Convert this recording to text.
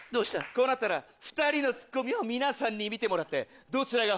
こうなったら２人のツッコミを皆さんに見てもらって。